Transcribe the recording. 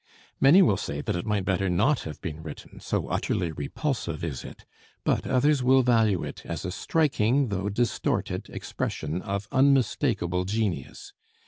Many will say that it might better not have been written, so utterly repulsive is it, but others will value it as a striking, though distorted, expression of unmistakable genius.